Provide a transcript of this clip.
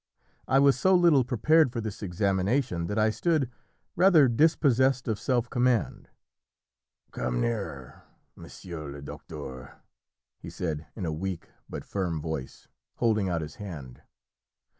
I was so little prepared for this examination that I stood rather dispossessed of self command. "Come nearer, monsieur le docteur," he said in a weak but firm voice, holding out his hand.